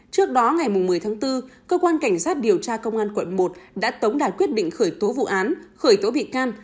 trước đó ngày một mươi tháng bốn cơ quan cảnh sát điều tra công an quận một đã tống đạt quyết định khởi tố vụ án khởi tố bị can